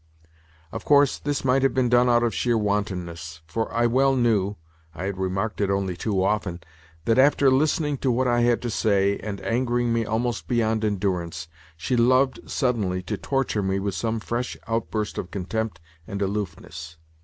Of course, this might have been done out of sheer wantonness, for I well knew—I had remarked it only too often—that, after listening to what I had to say, and angering me almost beyond endurance, she loved suddenly to torture me with some fresh outburst of contempt and aloofness!